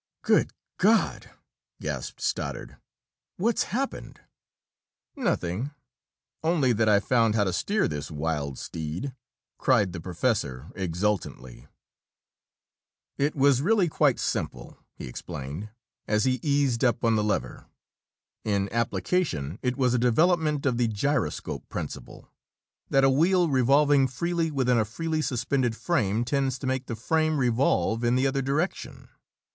"Good God!" gasped Stoddard. "What's happened?" "Nothing only that I've found how to steer this wild steed!" cried the professor, exultantly. It was really quite simple, he explained, as he eased up on the lever. In application, it was a development of the gyroscope principle, that a wheel revolving freely within a freely suspended frame tends to make the frame revolve in the other direction.